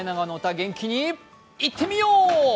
元気にいってみよう！